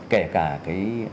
kể cả cái